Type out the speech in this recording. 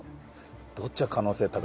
どっちが可能性高いかだよな。